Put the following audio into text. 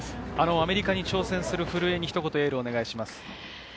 アメリカに挑戦する古江にひと言お願いします。